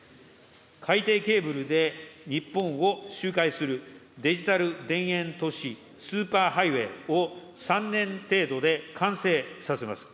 海底ケーブルで日本を周回するデジタル田園都市スーパーハイウェイを３年程度で完成させます。